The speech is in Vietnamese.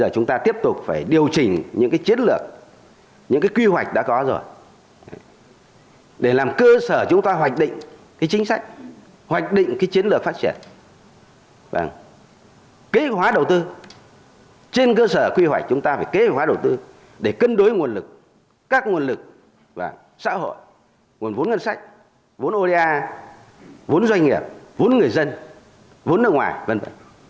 chúng ta phải kế hoạch đầu tư để cân đối nguồn lực các nguồn lực xã hội nguồn vốn ngân sách vốn oda vốn doanh nghiệp vốn người dân vốn nước ngoài v v